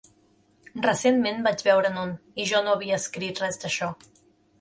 Recentment, vaig veure'n un, i jo no havia escrit res d'això.